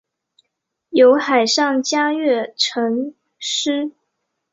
有海上嘉月尘诗。